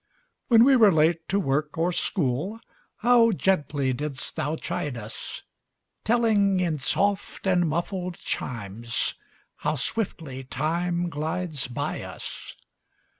When we were late to work or school, How gently didst thou chide us, Telling in soft and muffled chimes How swiftly time glides by us.